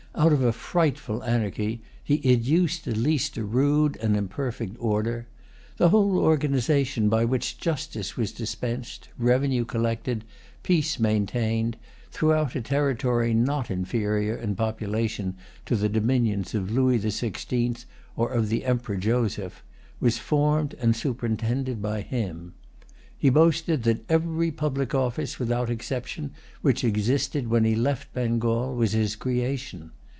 Out of a frightful anarchy, he educed at least a rude and imperfect order. The whole organization by which justice was dispensed, revenue collected, peace maintained throughout a territory not inferior in population to the dominions of Louis the Sixteenth or of the Emperor Joseph, was formed and superintended by him. He boasted that every public office, without exception, which existed when he left Bengal was his creation.